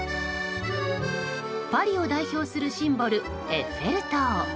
パリを代表するシンボルエッフェル塔。